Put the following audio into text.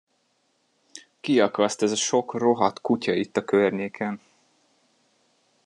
Kiakaszt ez a sok rohadt kutya itt a környéken!